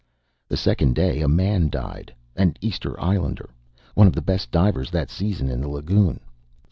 The second day a man died an Easter Islander, one of the best divers that season in the lagoon.